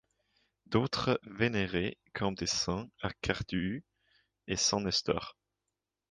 D'autres, vénérés comme des saints, Arcadius et Saint Nestor.